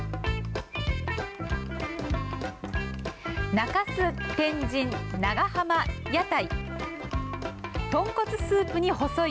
中州、天神、長浜、屋台。